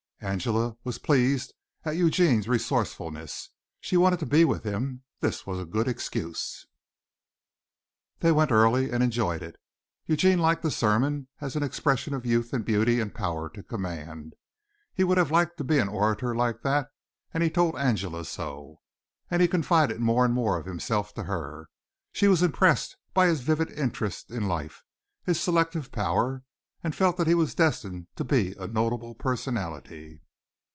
Angela was pleased at Eugene's resourcefulness. She wanted to be with him; this was a good excuse. They went early and enjoyed it. Eugene liked the sermon as an expression of youth and beauty and power to command. He would have liked to be an orator like that, and he told Angela so. And he confided more and more of himself to her. She was impressed by his vivid interest in life, his selective power, and felt that he was destined to be a notable personality.